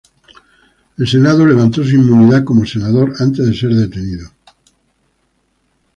El Senado levantó su inmunidad como senador antes de ser detenido.